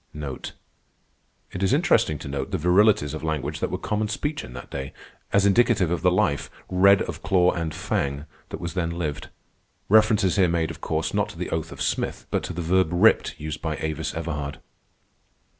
It is interesting to note the virilities of language that were common speech in that day, as indicative of the life, 'red of claw and fang,' that was then lived. Reference is here made, of course, not to the oath of Smith, but to the verb ripped used by Avis Everhard.